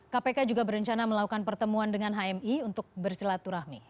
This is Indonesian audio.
kpk juga berencana melakukan pertemuan dengan hmi untuk bersilaturahmi